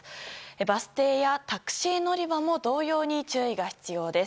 バス停やタクシー乗り場も同様に注意が必要です。